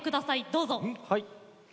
どうぞ。